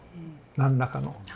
何らかの。